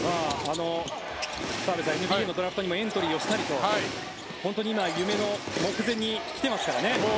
澤部さん、ＮＢＡのドラフトにもエントリーしたりと本当に今、夢の目前に来ていますからね。